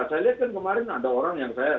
saya lihat kan kemarin ada orang yang saya